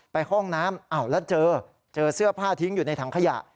ห้องน้ำอ้าวแล้วเจอเจอเสื้อผ้าทิ้งอยู่ในถังขยะ